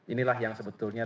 inilah yang sebetulnya